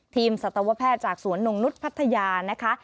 สัตวแพทย์จากสวนนงนุษย์พัทยานะคะ